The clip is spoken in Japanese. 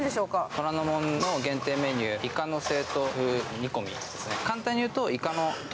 虎ノ門の限定メニュー、いかの煮込みです。